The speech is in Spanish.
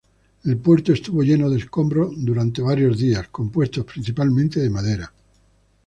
El puerto estuvo lleno de escombros por varios días, compuesto principalmente de madera.